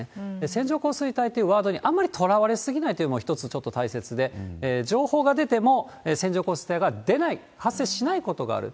線状降水帯というワードにあまりとらわれ過ぎないというのも一つちょっと大切で、情報が出ても、線状降水帯が出ない、発生しないことがある。